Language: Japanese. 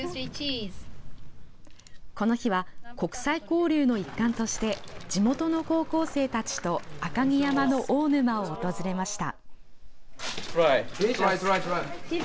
この日は、国際交流の一環として、地元の高校生たちと赤城山の大沼を訪れました。